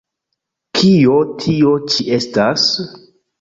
Kio tio ĉi estas?